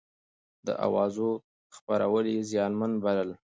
د اوازو خپرول يې زيانمن بلل.